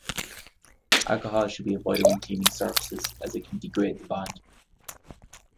Alcohol should be avoided when cleaning surfaces, as it can degrade the bond.